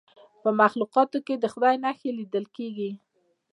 په مخلوقاتو کې د خدای نښې لیدل کیږي.